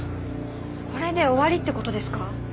これで終わりって事ですか？